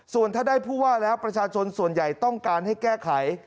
ส่วนถ้าได้ผู้ว่าแล้วประชาชนส่วนใหญ่ต้องการให้แก้ไข